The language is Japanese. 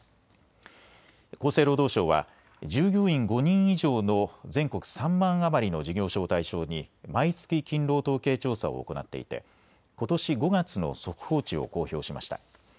厚生労働省は従業員５人以上の全国３万余りの事業所を対象に毎月勤労統計調査を行っていてことし５月の速報値を公表しました。